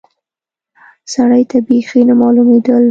سړي ته بيخي نه معلومېدل.